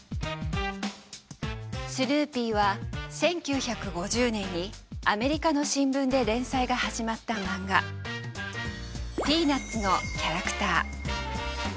スヌーピーは１９５０年にアメリカの新聞で連載が始まったマンガ「ピーナッツ」のキャラクター。